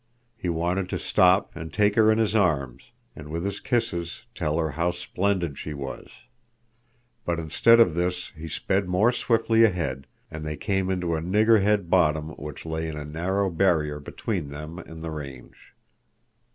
He wanted to stop and take her in his arms, and with his kisses tell her how splendid she was. But instead of this he sped more swiftly ahead, and they came into the nigger head bottom which lay in a narrow barrier between them and the range.